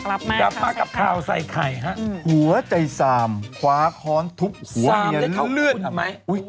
อ่ากลับมากับข่าวใส่ไข่ฮะหัวใจซามคว้าค้อนทุบหัวเมียเลือดซามได้เท่าคุณไหม